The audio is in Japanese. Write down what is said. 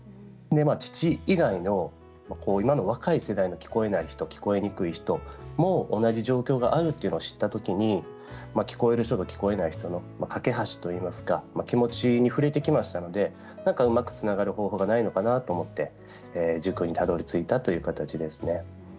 父以外の今の若い世代の聞こえない人、聞こえにくい人も同じ状況があるということ知ったときに聞こえる人と聞こえない人の懸け橋といいますか気持ちに触れてきましたのでうまくつながる方法はないのかなと思って塾にたどりついたという形ですね。